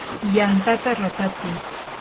yantata ratatsi.